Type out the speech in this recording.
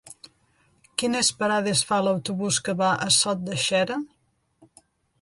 Quines parades fa l'autobús que va a Sot de Xera?